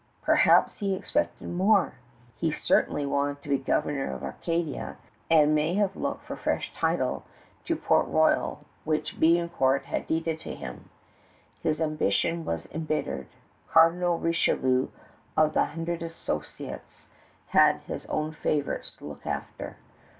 Perhaps he expected more. He certainly wanted to be governor of Acadia, and may have looked for fresh title to Port Royal, which Biencourt had deeded to him. His ambition was embittered. Cardinal Richelieu of the Hundred Associates had his own favorites to look after.